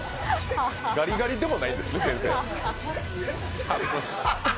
ガリガリでもないんですね、先生。